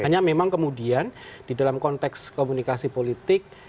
hanya memang kemudian di dalam konteks komunikasi politik